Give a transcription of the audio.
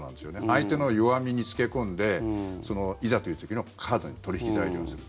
相手の弱みに付け込んでいざという時のカード、取引材料にする。